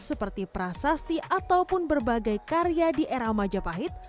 seperti prasasti ataupun berbagai karya di era majapahit